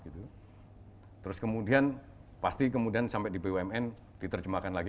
terus kemudian pasti kemudian sampai di bumn diterjemahkan lagi